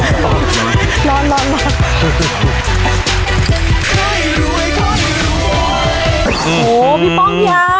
โอ้โหพี่ป้องย้า